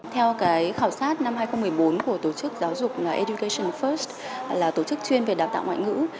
theo cái khảo sát năm hai nghìn một mươi bốn của tổ chức giáo dục education first là tổ chức chuyên về đào tạo ngoại ngữ